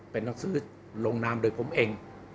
เป็นหนังสือลงนามโดยผมเอง